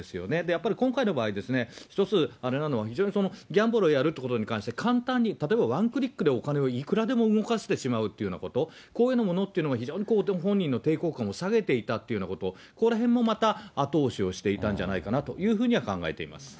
やっぱり今回の場合、一つ、あれなのは、非常にギャンブルをやるということに関して、簡単に、例えばワンクリックでお金をいくらでも動かせてしまうということ、こういうものっていうのも非常に本人の抵抗感を下げていたというようなこと、ここらへんもまた、後押しをしていたんじゃないかなというふうには考えています。